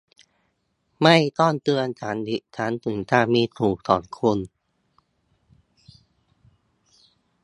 ไม่ต้องเตือนฉันอีกครั้งถึงการมีอยู่ของคุณ